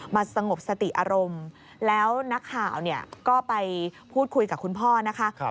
สงบสติอารมณ์แล้วนักข่าวเนี่ยก็ไปพูดคุยกับคุณพ่อนะคะ